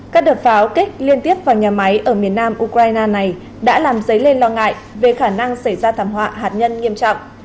các đợt pháo kích liên tiếp vào nhà máy ở miền nam ukraine này đã làm dấy lên lo ngại về khả năng xảy ra thảm họa hạt nhân nghiêm trọng